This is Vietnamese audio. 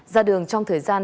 ra đường trong thời gian